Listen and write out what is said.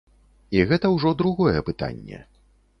І гэта ўжо другое пытанне.